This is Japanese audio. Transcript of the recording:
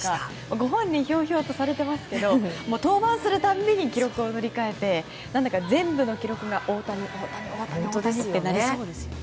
ご本人ひょうひょうとされていますが登板するたびに記録を塗り替えて全部の記録が大谷、大谷、大谷となりそうですよね。